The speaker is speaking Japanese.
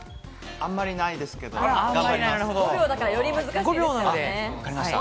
あんまりないですが、頑張ります。